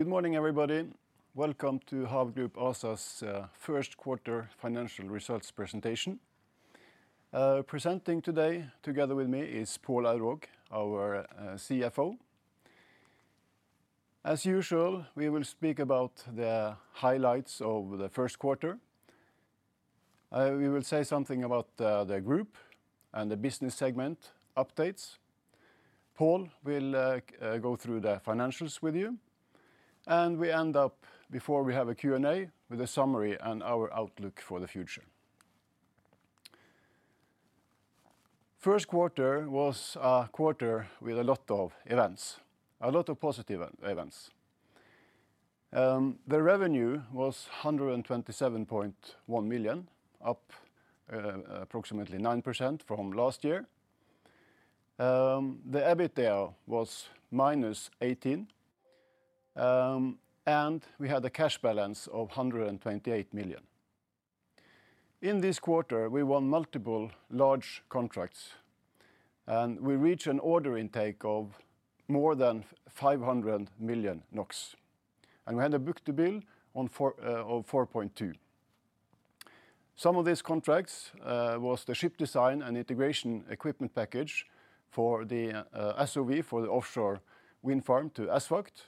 Good morning, everybody. Welcome to HAV Group ASA's first quarter financial results presentation. Presenting today together with me is Pål Aurvåg, our CFO. As usual, we will speak about the highlights of the first quarter. We will say something about the group and the business segment updates. Pål will go through the financials with you, and we end up, before we have a Q&A, with a summary and our outlook for the future. First quarter was a quarter with a lot of events, a lot of positive events. The revenue was 127.1 million, up approximately 9% from last year. The EBITDA was -18 million, and we had a cash balance of 128 million. In this quarter, we won multiple large contracts, and we reached an order intake of more than 500 million NOK. We had a book-to-bill of 4.2. Some of these contracts was the ship design and integration equipment package for the SOV for the offshore wind farm to ESVAGT. It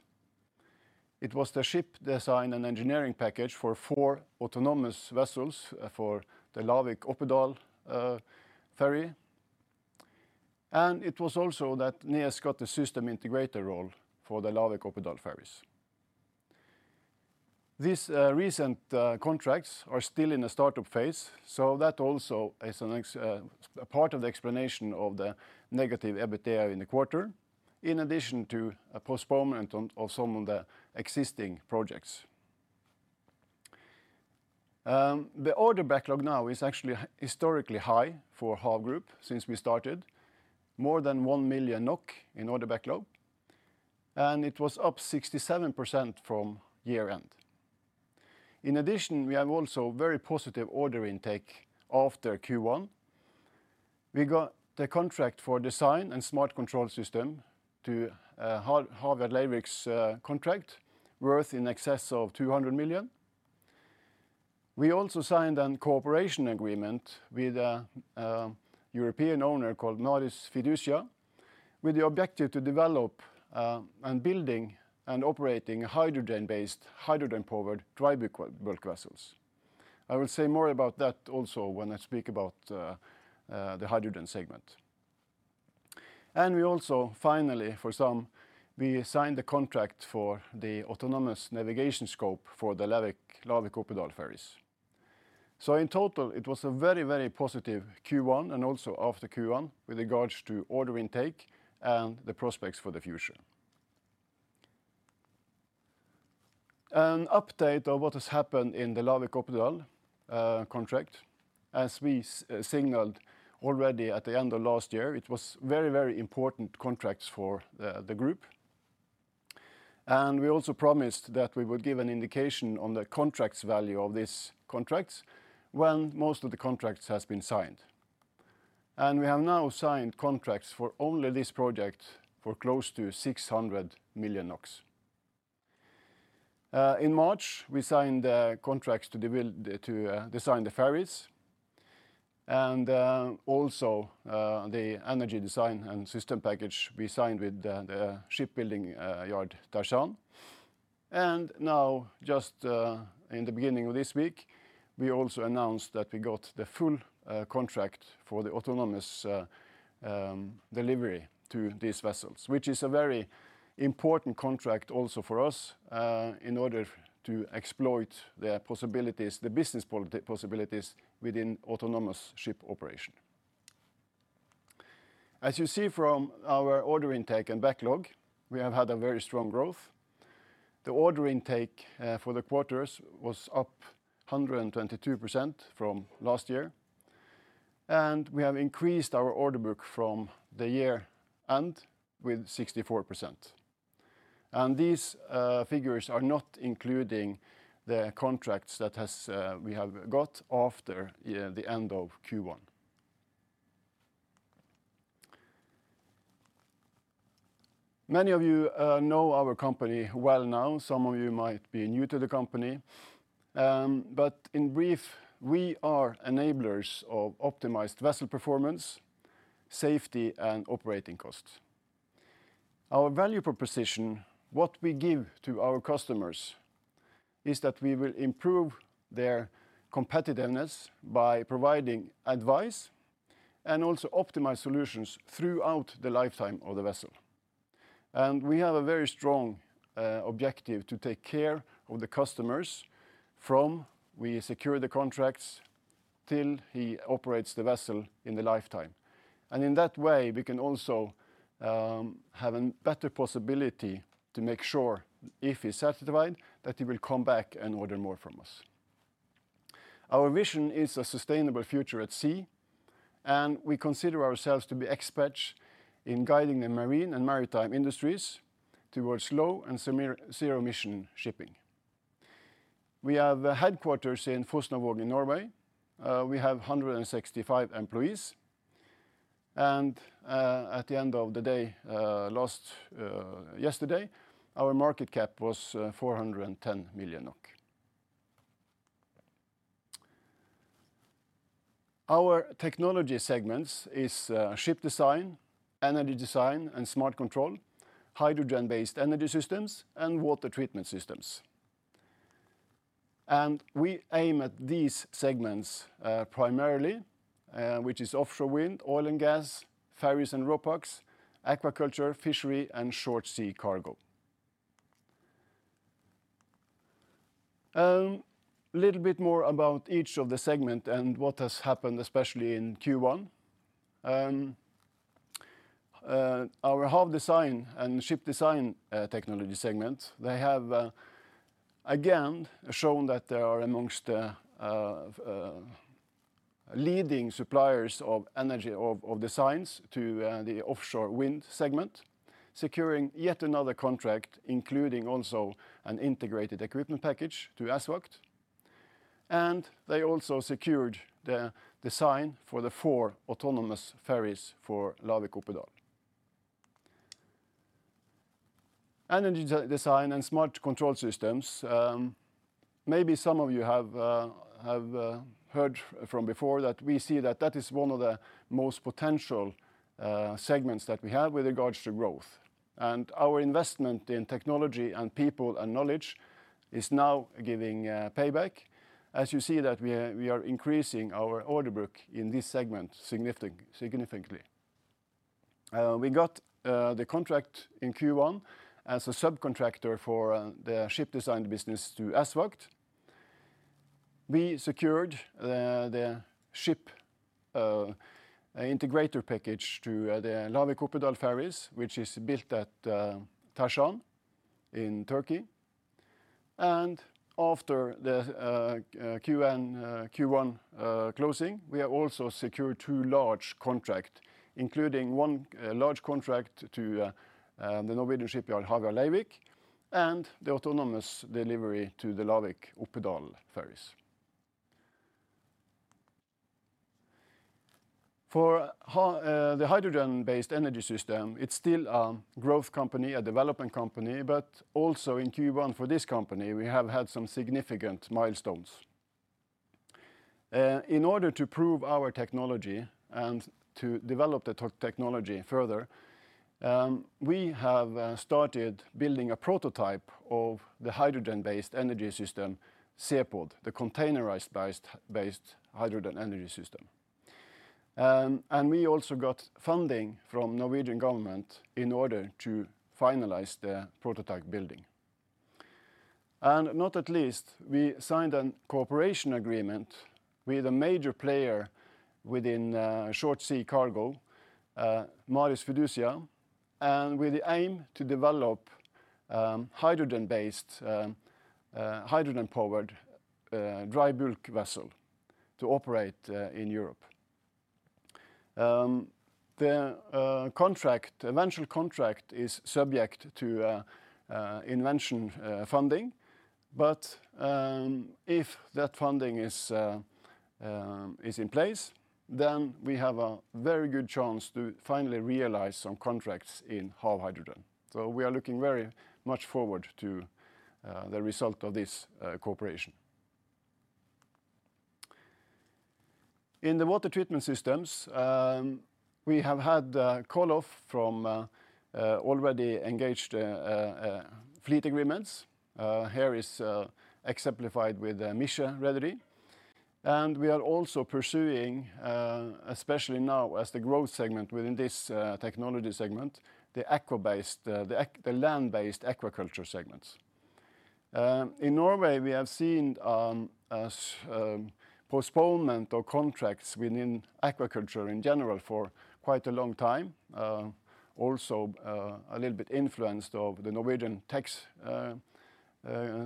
was the ship design and engineering package for four autonomous vessels for the Lavik-Oppedal ferry. It was also that NES got the system integrator role for the Lavik-Oppedal ferries. These recent contracts are still in the startup phase, so that also is a part of the explanation of the negative EBITDA in the quarter, in addition to a postponement of some of the existing projects. The order backlog now is actually historically high for HAV Group since we started, more than 1 million NOK in order backlog, and it was up 67% from year end. In addition, we have also very positive order intake after Q1. We got the contract for design and smart control system to Havila Kystruten's contract, worth in excess of 200 million. We also signed a cooperation agreement with a European owner called Maris Fiducia, with the objective to develop and building and operating hydrogen-based hydrogen-powered dry bulk vessels. I will say more about that also when I speak about the hydrogen segment. And we also, finally, we signed the contract for the autonomous navigation scope for the Lavik-Oppedal ferries. So in total, it was a very, very positive Q1, and also after Q1, with regards to order intake and the prospects for the future. An update of what has happened in the Lavik-Oppedal contract. As we signaled already at the end of last year, it was very, very important contracts for the group. And we also promised that we would give an indication on the contract's value of these contracts when most of the contracts has been signed. And we have now signed contracts for only this project for close to 600 million NOK. In March, we signed contracts to design the ferries, and also the energy design and system package we signed with the shipbuilding yard, Tersan. And now, just, in the beginning of this week, we also announced that we got the full contract for the autonomous delivery to these vessels, which is a very important contract also for us in order to exploit the possibilities within autonomous ship operation. As you see from our order intake and backlog, we have had a very strong growth. The order intake for the quarters was up 122% from last year, and we have increased our order book from the year end with 64%. And these figures are not including the contracts that we have got after the end of Q1. Many of you know our company well now. Some of you might be new to the company. But in brief, we are enablers of optimized vessel performance, safety, and operating costs. Our value proposition, what we give to our customers, is that we will improve their competitiveness by providing advice and also optimize solutions throughout the lifetime of the vessel. And we have a very strong objective to take care of the customers from we secure the contracts till he operates the vessel in the lifetime. And in that way, we can also have a better possibility to make sure, if he's satisfied, that he will come back and order more from us. Our vision is a sustainable future at sea, and we consider ourselves to be experts in guiding the marine and maritime industries towards low and semi-zero emission shipping. We have a headquarters in Fosnavåg in Norway. We have 165 employees, and at the end of the day, last yesterday, our market cap was 410 million NOK. Our technology segments is ship design, energy design, and smart control, hydrogen-based energy systems, and water treatment systems. We aim at these segments primarily, which is offshore wind, oil and gas, ferries and RoPax, aquaculture, fishery, and short sea cargo. A little bit more about each of the segment and what has happened, especially in Q1. Our hull design and ship design technology segment, they have again shown that they are amongst the leading suppliers of energy designs to the offshore wind segment, securing yet another contract, including also an integrated equipment package to ESVAGT. They also secured the design for the four autonomous ferries for Lavik-Oppedal. Energy design and smart control systems. Maybe some of you have heard from before that we see that that is one of the most potential segments that we have with regards to growth. Our investment in technology and people and knowledge is now giving payback. As you see that we are increasing our order book in this segment significantly. We got the contract in Q1 as a subcontractor for the ship design business to ESVAGT. We secured the ship integrator package to the Lavik-Oppedal ferries, which is built at Tersan in Turkey. And after the Q1 closing, we have also secured two large contract, including one large contract to the Norwegian shipyard, Havyard Leirvik, and the autonomous delivery to the Lavik-Oppedal Ferries. For the hydrogen-based energy system, it's still a growth company, a development company, but also in Q1 for this company, we have had some significant milestones. In order to prove our technology and to develop the technology further, we have started building a prototype of the hydrogen-based energy system, ZEPOD, the containerized-based hydrogen energy system. And we also got funding from Norwegian government in order to finalize the prototype building. Last but not least, we signed a cooperation agreement with a major player within short sea cargo, Maris Fiducia, and with the aim to develop hydrogen-based hydrogen-powered dry bulk vessel to operate in Europe. The eventual contract is subject to investment funding, but if that funding is in place, then we have a very good chance to finally realize some contracts in full hydrogen. So we are looking very much forward to the result of this cooperation. In the water treatment systems, we have had call-off from already engaged fleet agreements. Here is exemplified with Misje Rederi. We are also pursuing, especially now as the growth segment within this, technology segment, the aqua-based, the land-based aquaculture segments. In Norway, we have seen, a postponement of contracts within aquaculture in general for quite a long time, also, a little bit influenced of the Norwegian tax,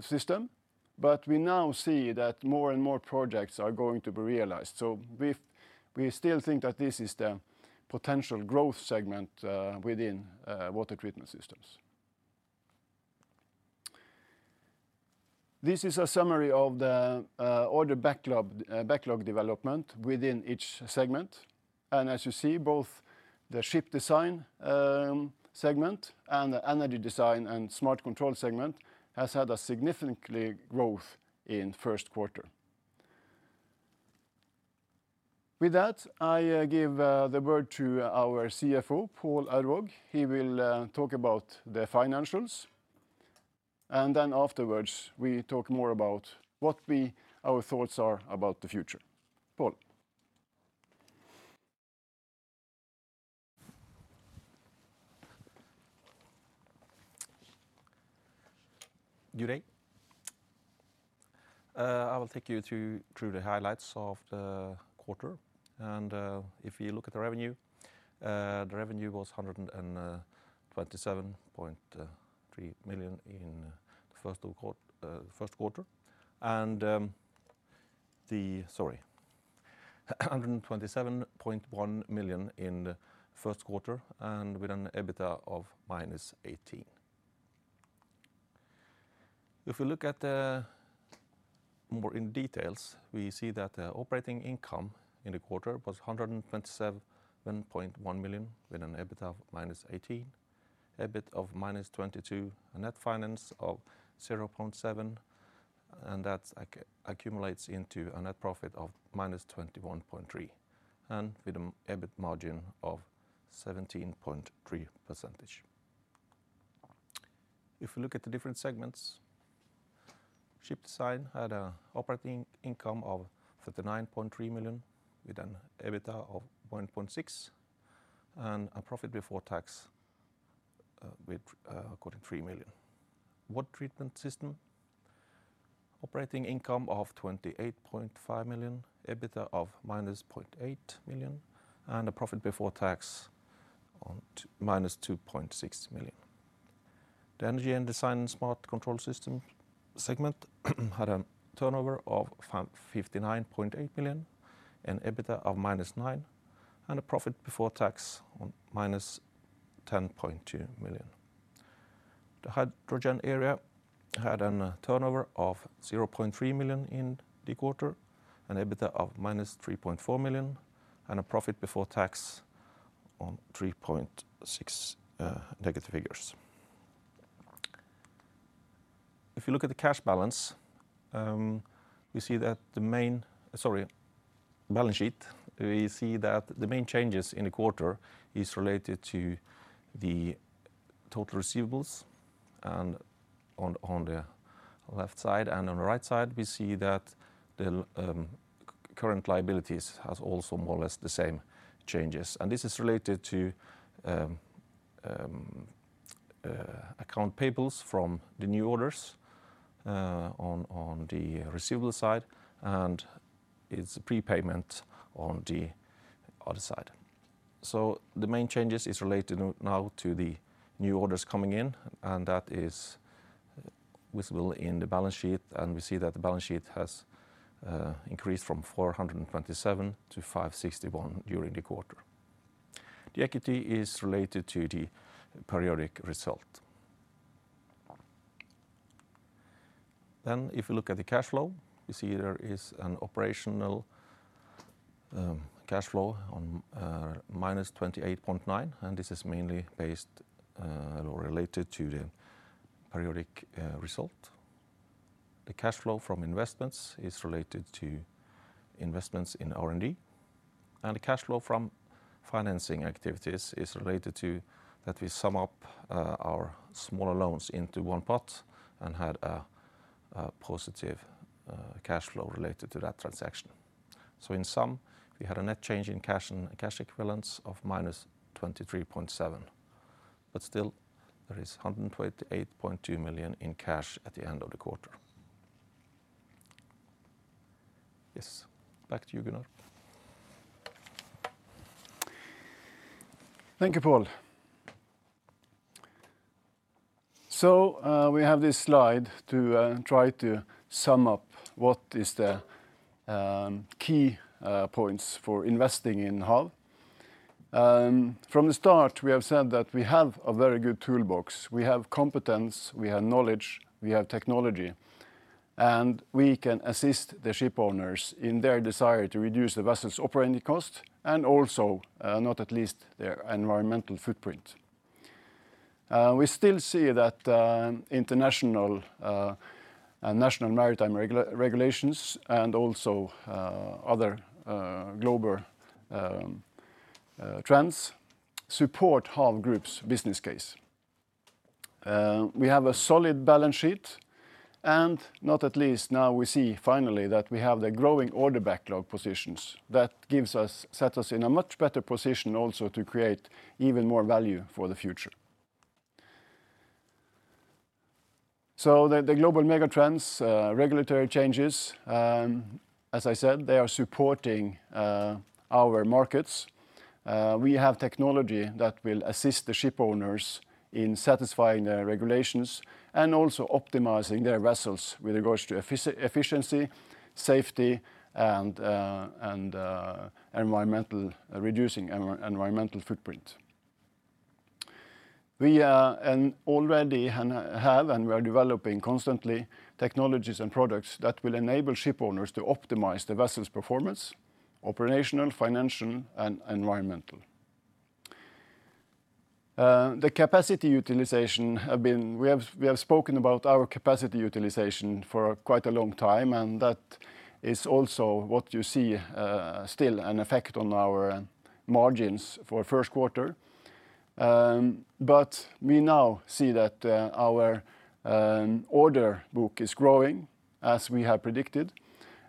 system. But we now see that more and more projects are going to be realized. We still think that this is the potential growth segment, within, water treatment systems. This is a summary of the, order backlog, backlog development within each segment. As you see, both the ship design, segment and the energy design and smart control segment, has had a significantly growth in first quarter. With that, I, give, the word to our CFO, Pål Aurvåg. He will talk about the financials, and then afterwards, we talk more about what our thoughts are about the future. Pål? Good day. I will take you through the highlights of the quarter. If you look at the revenue, the revenue was 127.3 million in the first quarter.... 127.1 million in the first quarter and with an EBITDA of -18 million. If you look at the more in details, we see that operating income in the quarter was 127.1 million, with an EBITDA of -18 million, EBIT of -22 million, a net finance of 0.7 million, and that accumulates into a net profit of -21.3 million, and with an EBIT margin of 17.3%. If you look at the different segments, ship design had an operating income of 39.3 million, with an EBITDA of 1.6 million, and a profit before tax of 3 million. Water treatment system, operating income of 28.5 million, EBITDA of -0.8 million, and a profit before tax of -2.6 million. The energy and design and smart control system segment had a turnover of 59.8 million, an EBITDA of -9 million, and a profit before tax of -10.2 million. The hydrogen area had a turnover of 0.3 million in the quarter, an EBITDA of -3.4 million, and a profit before tax of -3.6 million. If you look at the balance sheet, we see that the main changes in the quarter is related to the total receivables on the left side, and on the right side, we see that the current liabilities has also more or less the same changes. And this is related to accounts payable from the new orders on the receivable side, and it's a prepayment on the other side. So the main changes is related now to the new orders coming in, and that is visible in the balance sheet, and we see that the balance sheet has increased from 427 million -561 million during the quarter. The equity is related to the periodic result. Then, if you look at the cash flow, you see there is an operational cash flow on -28.9 million, and this is mainly based or related to the periodic result. The cash flow from investments is related to investments in R&D, and the cash flow from financing activities is related to that we sum up our smaller loans into one pot and had a positive cash flow related to that transaction. In sum, we had a net change in cash and cash equivalents of -23.7 million, but still, there is 128.2 million in cash at the end of the quarter. Yes, back to you, Gunnar. Thank you, Pål. So, we have this slide to try to sum up what is the key points for investing in HAV. From the start, we have said that we have a very good toolbox. We have competence, we have knowledge, we have technology, and we can assist the shipowners in their desire to reduce the vessel's operating cost, and also, not at least, their environmental footprint. We still see that international and national maritime regulations and also other global trends support HAV Group's business case. We have a solid balance sheet, and not at least now we see finally that we have the growing order backlog positions. That sets us in a much better position also to create even more value for the future. So the global megatrends, regulatory changes, as I said, they are supporting our markets. We have technology that will assist the shipowners in satisfying the regulations and also optimizing their vessels with regards to efficiency, safety, and reducing environmental footprint. We already have, and we are developing constantly, technologies and products that will enable shipowners to optimize the vessel's performance, operational, financial, and environmental. The capacity utilization have been we have spoken about our capacity utilization for quite a long time, and that is also what you see, still an effect on our margins for first quarter. But we now see that our order book is growing, as we have predicted,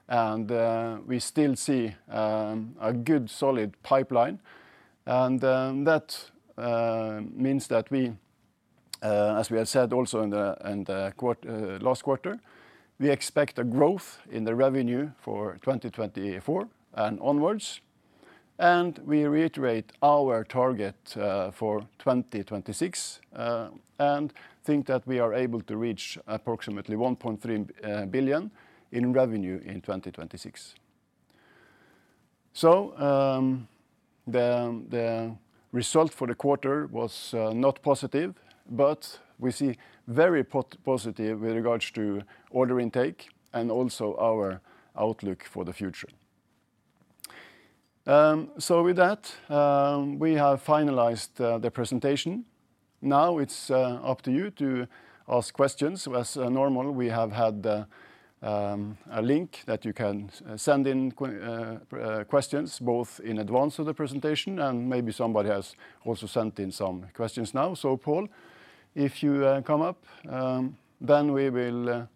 and we still see a good, solid pipeline. That means that we, as we have said also in the, in the last quarter, we expect a growth in the revenue for 2024 and onwards, and we reiterate our target for 2026 and think that we are able to reach approximately 1.3 billion in revenue in 2026. The result for the quarter was not positive, but we see very positive with regards to order intake and also our outlook for the future. With that, we have finalized the presentation. Now it's up to you to ask questions. As normal, we have had a link that you can send in questions, both in advance of the presentation, and maybe somebody has also sent in some questions now. So, Pål, if you come up, then we will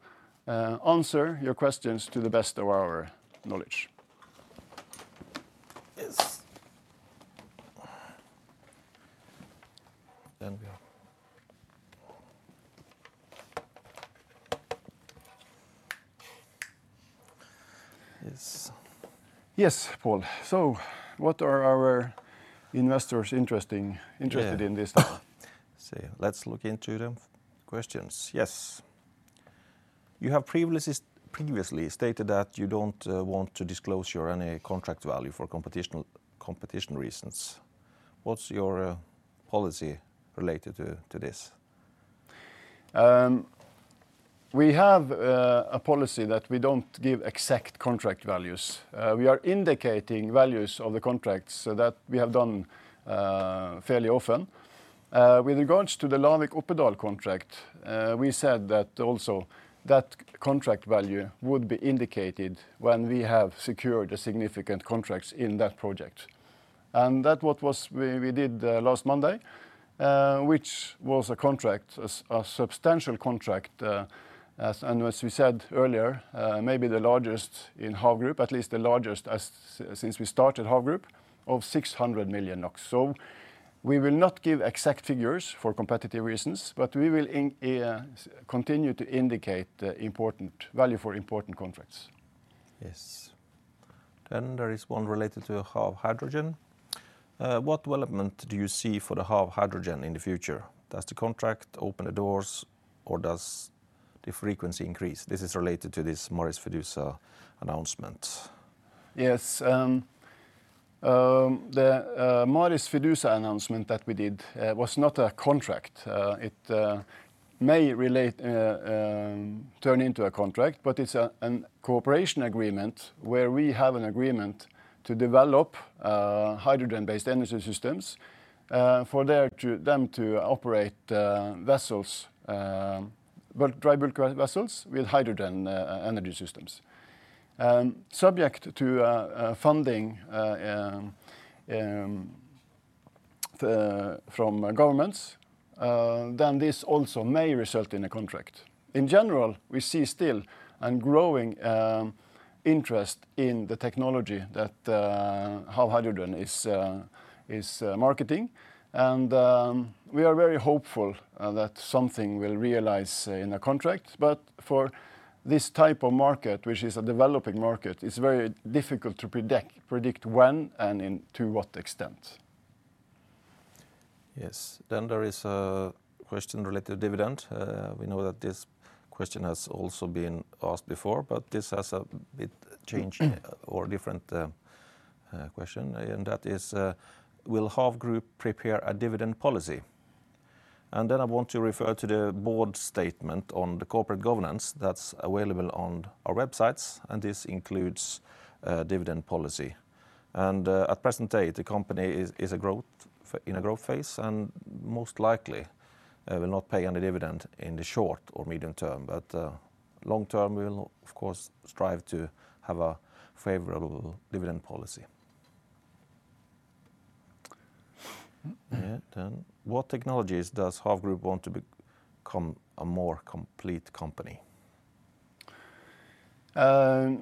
answer your questions to the best of our knowledge. Yes. There we are. Yes. Yes, Pål, so what are our investors interesting, interested in this time? Yeah. Let's see. Let's look into the questions. Yes. You have previously, previously stated that you don't want to disclose any contract value for competition reasons. What's your policy related to this? We have a policy that we don't give exact contract values. We are indicating values of the contracts, so that we have done fairly often. With regards to the Lavik-Oppedal contract, we said that also that contract value would be indicated when we have secured a significant contracts in that project. And that what was. We did last Monday, which was a substantial contract, as. And as we said earlier, maybe the largest in HAV Group, at least the largest since we started HAV Group, of 600 million NOK. So we will not give exact figures for competitive reasons, but we will continue to indicate the important value for important contracts. Yes. Then there is one related to HAV Hydrogen. What development do you see for the HAV Hydrogen in the future? Does the contract open the doors, or does the frequency increase? This is related to this Maris Fiducia announcement. Yes, the Maris Fiducia announcement that we did was not a contract. It may turn into a contract, but it's a cooperation agreement, where we have an agreement to develop hydrogen-based energy systems for them to operate vessels, well, dry bulk vessels with hydrogen energy systems. Subject to funding from governments, then this also may result in a contract. In general, we see still and growing interest in the technology that HAV Hydrogen is marketing. And we are very hopeful that something will realize in a contract, but for this type of market, which is a developing market, it's very difficult to predict when and into what extent. Yes. Then there is a question related to dividend. We know that this question has also been asked before, but this has a bit different question, and that is: "Will HAV Group prepare a dividend policy?" Then I want to refer to the board statement on the corporate governance that's available on our websites, and this includes dividend policy. And at present day, the company is in a growth phase, and most likely will not pay any dividend in the short or medium term. But long term, we will, of course, strive to have a favorable dividend policy. Yeah, then, "What technologies does HAV Group want to become a more complete company?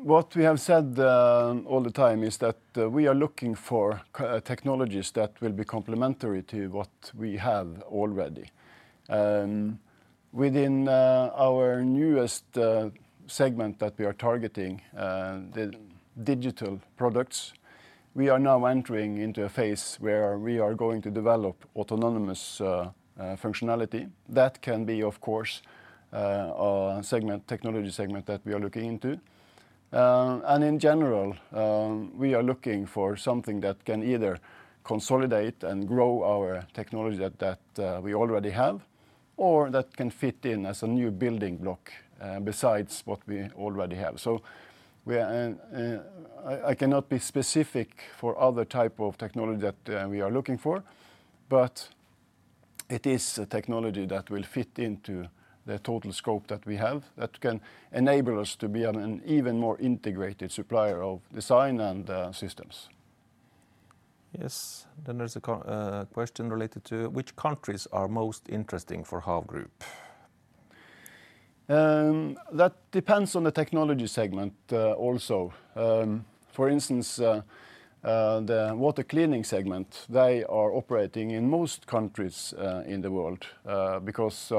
What we have said all the time is that we are looking for technologies that will be complementary to what we have already. Within our newest segment that we are targeting, the digital products, we are now entering into a phase where we are going to develop autonomous functionality. That can be, of course, a segment, technology segment that we are looking into. In general, we are looking for something that can either consolidate and grow our technology that we already have, or that can fit in as a new building block besides what we already have. So we are. I cannot be specific for other type of technology that we are looking for, but it is a technology that will fit into the total scope that we have, that can enable us to be an even more integrated supplier of design and systems. Yes. Then there's a question related to, "Which countries are most interesting for HAV Group? That depends on the technology segment, also. For instance, the water cleaning segment, they are operating in most countries in the world, because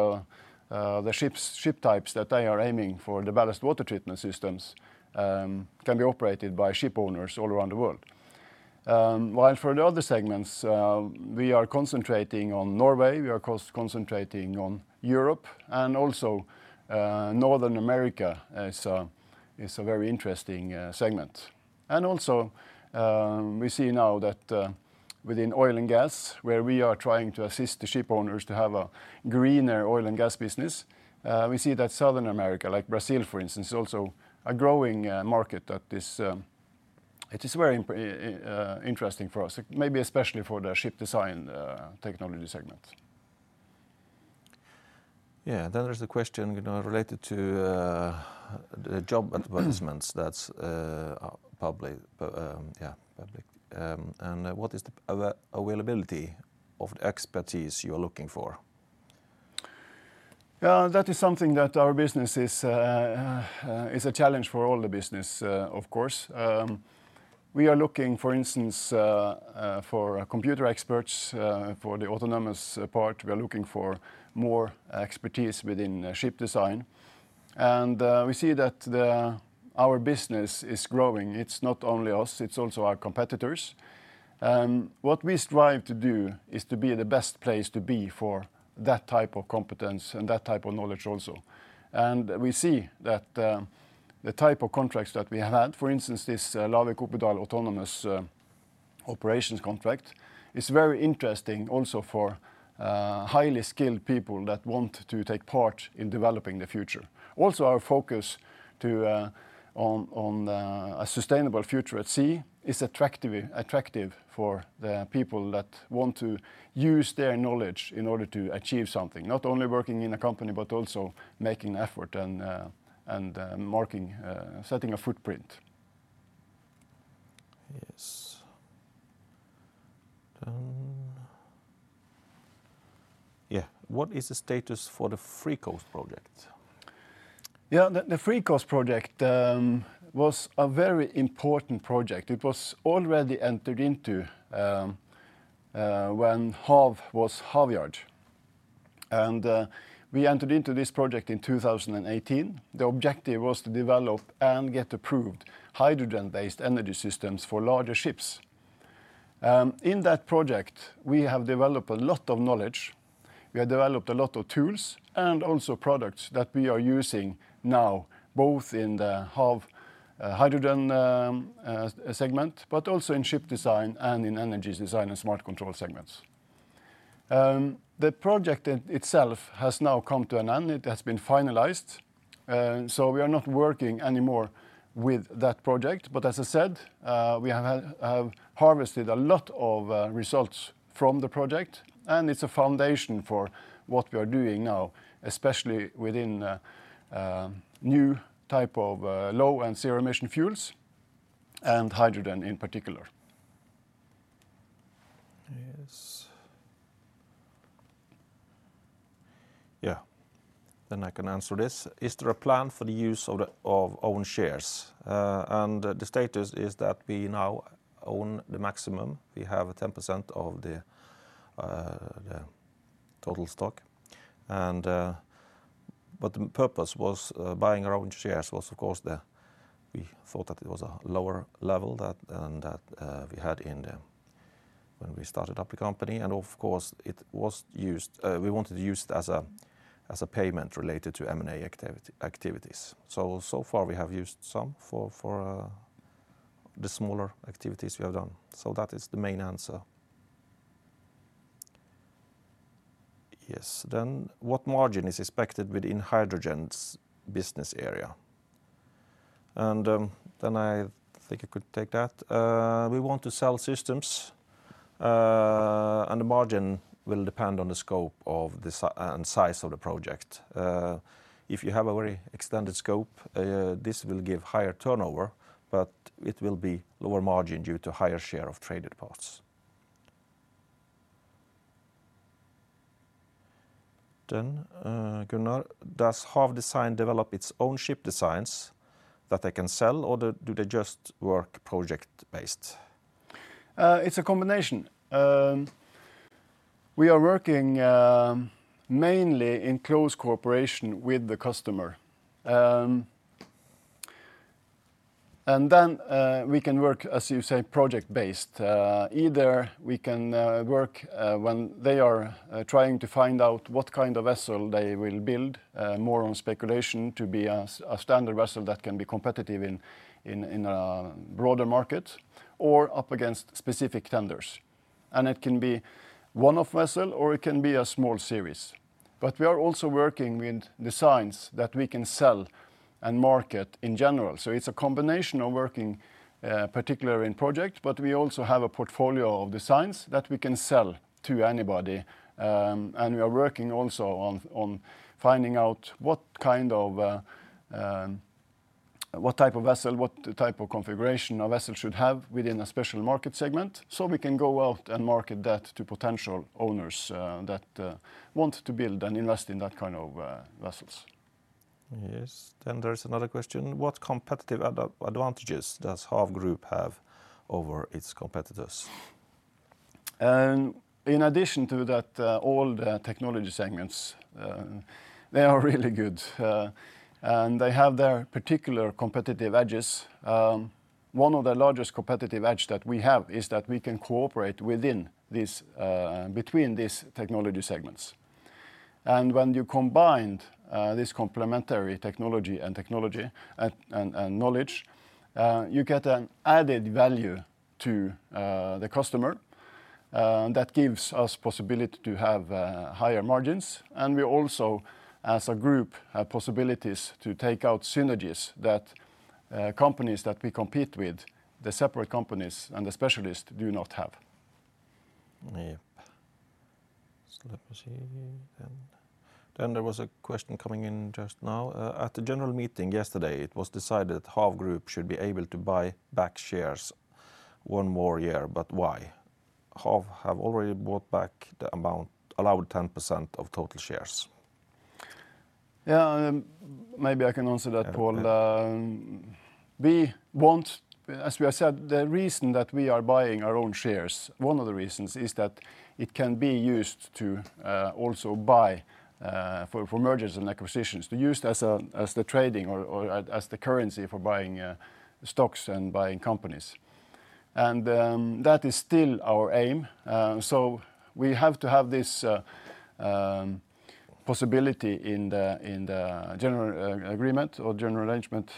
the ship types that they are aiming for, the ballast water treatment systems, can be operated by ship owners all around the world. While for the other segments, we are concentrating on Norway, we are concentrating on Europe, and also, North America is a very interesting segment. And also, we see now that within oil and gas, where we are trying to assist the ship owners to have a greener oil and gas business, we see that South America, like Brazil, for instance, is also a growing market that is... It is very important, interesting for us, maybe especially for the ship design, technology segment. Yeah, then there's the question, you know, related to, the job advertisements- Mm... that's public. Yeah, public. And what is the availability of the expertise you are looking for? Yeah, that is something that our business is, is a challenge for all the business, of course. We are looking, for instance, for computer experts, for the autonomous part. We are looking for more expertise within ship design. And, we see that the, our business is growing. It's not only us, it's also our competitors. And what we strive to do is to be the best place to be for that type of competence and that type of knowledge also. And we see that, the type of contracts that we have had, for instance, this Lavik-Oppedal autonomous operations contract, is very interesting also for, highly skilled people that want to take part in developing the future. Also, our focus on a sustainable future at sea is attractive for the people that want to use their knowledge in order to achieve something. Not only working in a company, but also making effort and setting a footprint. Yes. Yeah. What is the status for the FreeCO2ast Project? Yeah, the FreeCO2ast Project was a very important project. It was already entered into when HAV was Havyard. We entered into this project in 2018. The objective was to develop and get approved hydrogen-based energy systems for larger ships. In that project, we have developed a lot of knowledge. We have developed a lot of tools, and also products that we are using now, both in the HAV hydrogen segment, but also in ship design and in energy design and smart control segments. The project itself has now come to an end. It has been finalized. So we are not working anymore with that project, but as I said, we have harvested a lot of results from the project, and it's a foundation for what we are doing now, especially within new type of low and zero emission fuels, and hydrogen in particular. Yes. Yeah, then I can answer this. Is there a plan for the use of the, of own shares? And the status is that we now own the maximum. We have 10% of the, the total stock. And, but the purpose was, buying our own shares was, of course, the... We thought that it was a lower level that, than that, we had in the, when we started up the company. And, of course, it was used, we wanted to use it as a, as a payment related to M&A activity, activities. So, so far we have used some for, for, the smaller activities we have done. So that is the main answer. Yes. Then, what margin is expected within hydrogen's business area? And, then I think I could take that. We want to sell systems, and the margin will depend on the scope of the system and size of the project. If you have a very extended scope, this will give higher turnover, but it will be lower margin due to higher share of traded parts. Then, Gunnar, does HAV Design develop its own ship designs that they can sell, or do they just work project-based? It's a combination. We are working mainly in close cooperation with the customer. We can work, as you say, project-based. Either we can work when they are trying to find out what kind of vessel they will build, more on speculation to be a standard vessel that can be competitive in a broader market, or up against specific tenders. It can be one-off vessel, or it can be a small series. We are also working with designs that we can sell and market in general. It's a combination of working particularly in project, but we also have a portfolio of designs that we can sell to anybody. We are working also on finding out what kind of what type of vessel, what type of configuration a vessel should have within a special market segment, so we can go out and market that to potential owners that want to build and invest in that kind of vessels. Yes. Then there is another question: What competitive advantages does HAV Group have over its competitors?... And in addition to that, all the technology segments, they are really good, and they have their particular competitive edges. One of the largest competitive edge that we have is that we can cooperate within this, between these technology segments. And when you combined, this complementary technology and technology, and knowledge, you get an added value to, the customer, that gives us possibility to have, higher margins. And we also, as a group, have possibilities to take out synergies that, companies that we compete with, the separate companies and the specialists do not have. Yep. So let me see here then. Then there was a question coming in just now. "At the general meeting yesterday, it was decided HAV Group should be able to buy back shares one more year, but why? HAV have already bought back the amount, allowed 10% of total shares. Yeah, maybe I can answer that, Pål. Yeah. As we have said, the reason that we are buying our own shares, one of the reasons, is that it can be used to also buy for mergers and acquisitions, to use as the trading or as the currency for buying stocks and buying companies. And that is still our aim. So we have to have this possibility in the general agreement or general arrangement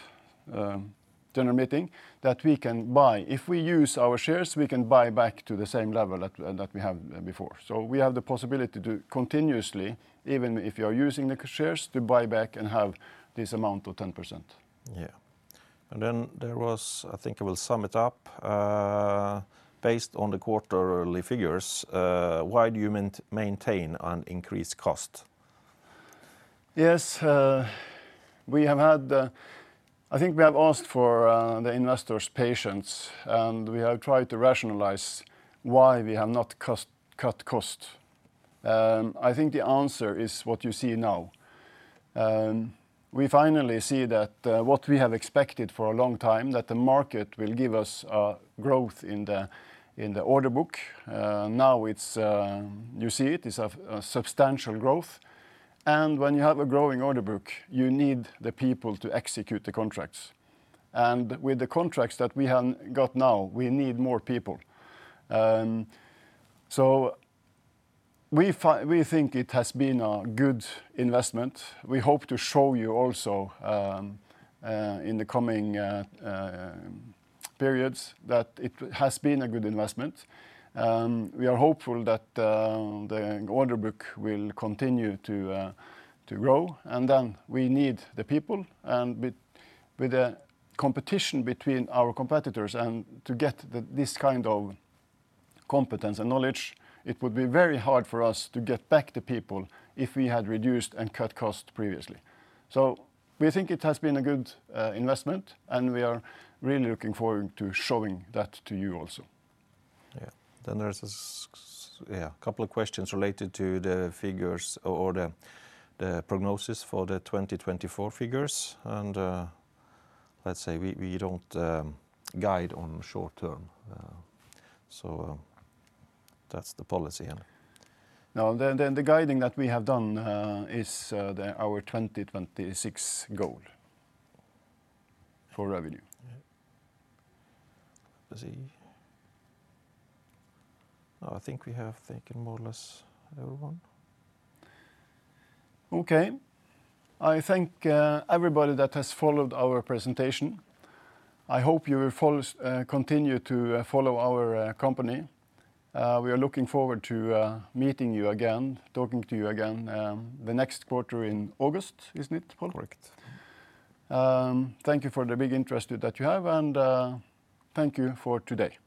general meeting, that we can buy. If we use our shares, we can buy back to the same level that that we have before. So we have the possibility to continuously, even if you are using the shares, to buy back and have this amount of 10%. Yeah. I think I will sum it up. "Based on the quarterly figures, why do you maintain an increased cost? Yes, we have had. I think we have asked for the investors' patience, and we have tried to rationalize why we have not cut costs. I think the answer is what you see now. We finally see that what we have expected for a long time, that the market will give us growth in the order book. Now you see it; it's a substantial growth. And when you have a growing order book, you need the people to execute the contracts. And with the contracts that we have got now, we need more people. So we think it has been a good investment. We hope to show you also in the coming periods that it has been a good investment. We are hopeful that the order book will continue to grow, and then we need the people. And with the competition between our competitors and to get the this kind of competence and knowledge, it would be very hard for us to get back the people if we had reduced and cut cost previously. So we think it has been a good investment, and we are really looking forward to showing that to you also. Yeah. Then there's this, yeah, a couple of questions related to the figures or the prognosis for the 2024 figures. And, let's say, we don't guide on short term, so, that's the policy, yeah. No, the guiding that we have done is our 2026 goal for revenue. Yeah. Let's see. I think we have taken more or less everyone. Okay. I thank everybody that has followed our presentation. I hope you will continue to follow our company. We are looking forward to meeting you again, talking to you again, the next quarter in August, isn't it, Pål? Correct. Thank you for the big interest that you have, and thank you for today.